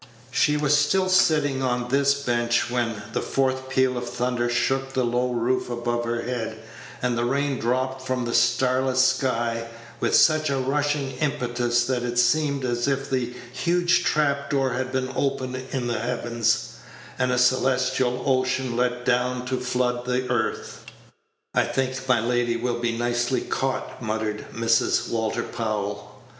She was still sitting on this bench, when the fourth peal of thunder shook the low roof above her head, and the rain dropped from the starless sky with such a rushing impetus that it seemed as if a huge trap door had been opened in the heavens, and a celestial ocean let down to flood the earth. "I think my lady will be nicely caught," muttered Mrs. Walter Powell.